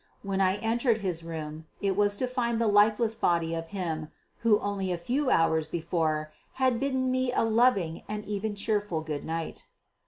When I entered his room, it was to find the lifeless body of him who only a few hours before had bidden me a loving and even cheerful good night.